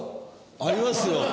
あります！